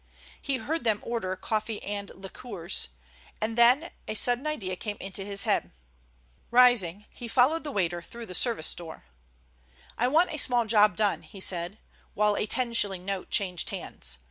He heard them order coffee and liqueurs, and then a sudden idea came into his head. Rising, he followed the waiter through the service door. "I want a small job done," he said, while a ten shilling note changed hands.